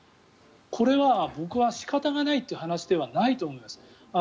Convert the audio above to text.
これは僕は仕方がないという話ではないと思います。